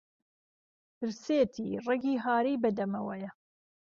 برسێتی ڕهگی هاری بهدهمهوهیه